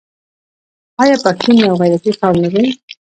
آیا پښتون یو غیرتي قوم نه دی؟